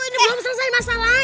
tuh ini belum selesai masalahnya